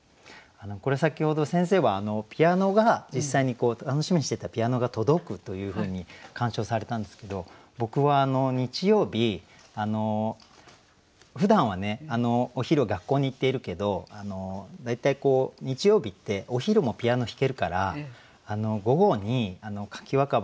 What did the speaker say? これ先ほど先生はピアノが実際に楽しみにしていたピアノが届くというふうに鑑賞されたんですけど僕は日曜日ふだんはねお昼は学校に行っているけど大体日曜日ってお昼もピアノ弾けるから午後に柿若葉